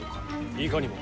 いかにも。